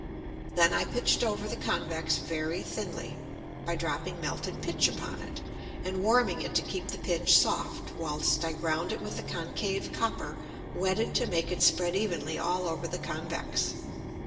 Then I pitched over the convex very thinly, by dropping melted Pitch upon it, and warming it to keep the Pitch soft, whilst I ground it with the concave Copper wetted to make it spread eavenly all over the convex.